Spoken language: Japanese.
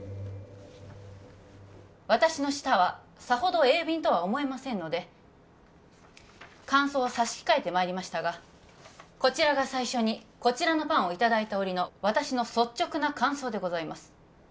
私の舌はさほど鋭敏とは思えませんので感想は差し控えてまいりましたがこちらが最初にこちらのパンをいただいた折の私の率直な感想でございます